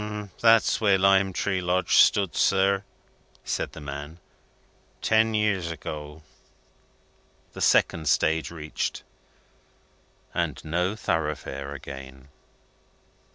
"That's where Lime Tree Lodge stood, sir," said the man, "ten years ago." The second stage reached, and No Thoroughfare again!